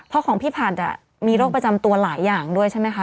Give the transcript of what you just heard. เพราะของพี่ผัดมีโรคประจำตัวหลายอย่างด้วยใช่ไหมคะ